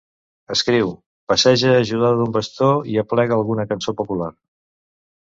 Escriu, passeja ajudada d'un bastó i aplega alguna cançó popular.